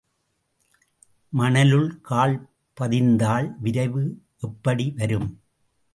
மணலுள் கால் பதிந்தால் விரைவு எப்படி வரும்?